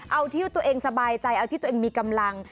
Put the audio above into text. เอาที่ตัวเองสบายใจเอาที่ตัวเองมีกำลัง